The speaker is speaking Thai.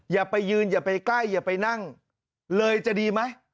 อย่าไปยืนอย่าไปใกล้อย่าไปนั่งเลยจะดีไหม